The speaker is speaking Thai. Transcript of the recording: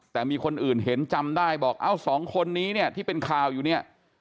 แต่มีคนอื่นเห็นจำได้บอกเอ้าสองคนนี้เนี่ยที่เป็นข่าวอยู่เนี่ย